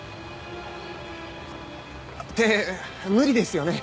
って無理ですよね。